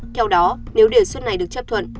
theo đó nếu đề xuất này được chấp thuận